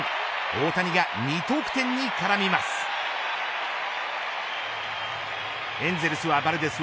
大谷が２得点にからみます。